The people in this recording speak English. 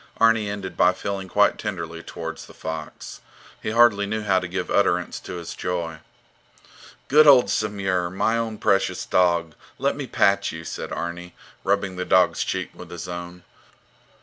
Arni ended by feeling quite tenderly towards the fox. He hardly knew how to give utterance to his joy. Good old Samur, my own precious dog, let me pat you, said Arni, rubbing the dog's cheek with his own.